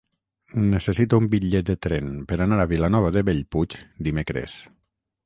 Necessito un bitllet de tren per anar a Vilanova de Bellpuig dimecres.